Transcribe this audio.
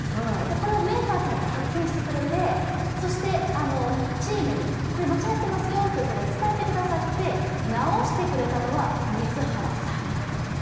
これをメーカーさんが発見してくれてチームに間違ってますよと伝えてくださって直してくれたのは水原さん。